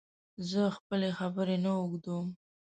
زه خپلي خبري نه اوږدوم